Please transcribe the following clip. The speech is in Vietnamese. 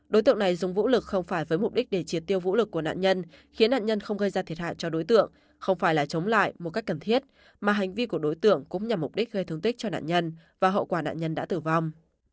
đối tượng này dùng vũ lực không phải với mục đích để triệt tiêu vũ lực của nạn nhân khiến nạn nhân không gây ra thiệt hại cho đối tượng không phải là chống lại một cách cần thiết mà hành vi của đối tượng cũng nhằm mục đích gây thương tích cho nạn nhân và hậu quả nạn nhân đã tử vong